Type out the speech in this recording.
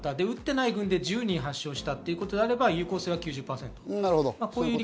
打っていない分で１０人発症したということであれば、有効性は９０％です。